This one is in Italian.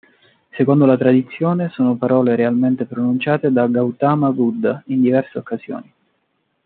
Secondo la tradizione, sono parole realmente pronunciate da Gautama Buddha in diverse occasioni.